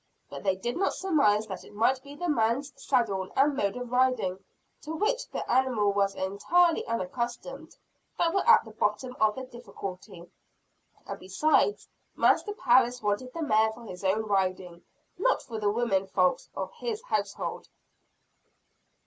But they did not surmise that it might be the man's saddle and mode of riding, to which the animal was entirely unaccustomed, that were at the bottom of the difficulty. And, besides, Master Parris wanted the mare for his own riding, not for the women folks of his household.